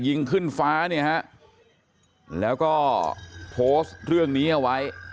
ยิงขึ้นฟ้าเนี่ยฮะแล้วก็โพสต์เรื่องนี้เอาไว้